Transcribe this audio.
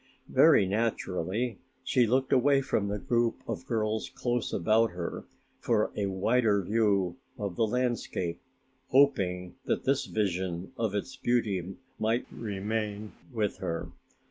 Very naturally she looked away from the group of girls close about her for a wider view of the landscape, hoping that this vision of its beauty might remain with her.